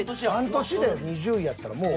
半年で２０位やったらもう。